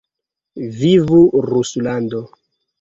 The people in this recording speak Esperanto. Vivu Ruslando!